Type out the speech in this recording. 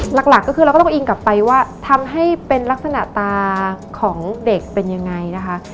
หลักก็คือเราก็ต้องอิงกลับไปว่าทำให้เป็นลักษณะตาของเด็กเป็นยังไงนะคะ